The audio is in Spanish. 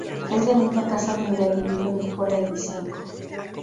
Es la misma casa donde ha vivido Mykola Lysenko.